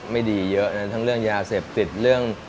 ไม่ดีเยอะนะทั้งเรื่องยาเสพติดเรื่อง